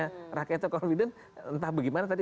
masyarakatnya confidence entah bagaimana tadi